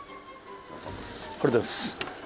これです。